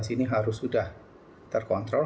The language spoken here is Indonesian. ini harus sudah terkontrol